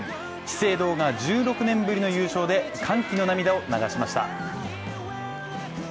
資生堂が１６年ぶりの優勝で歓喜の涙を流しました。